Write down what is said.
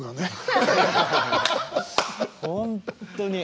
本当に。